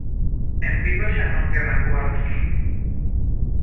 En Vigo xa non quedan cuartos.